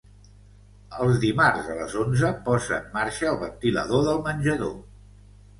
Els dimarts a les onze posa en marxa el ventilador del menjador.